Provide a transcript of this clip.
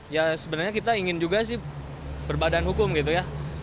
ya sebenarnya kita ingin juga sih berbadan hukum gitu ya